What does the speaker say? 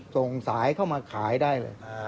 ส่งสายเข้ามาขายได้เลย